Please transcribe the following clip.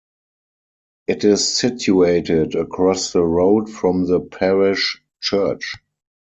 It is situated across the road from the parish church.